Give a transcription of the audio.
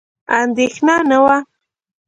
اندېښنه نه وه.